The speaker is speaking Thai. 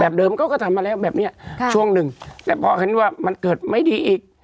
เดิมเขาก็ทำมาแล้วแบบเนี้ยค่ะช่วงหนึ่งแต่พอเห็นว่ามันเกิดไม่ดีอีก